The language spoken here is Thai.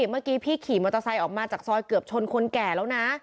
เมื่อกี้พี่ขี่มอเตอร์ไซค์ออกมาจากซอยเกือบชนคนแก่แล้วนะ